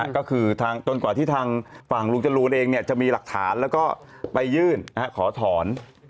ก็คือจนกว่าที่ทางฝั่งลุงจรูนเองจะมีหลักฐานแล้วก็ไปยื่นขอถอน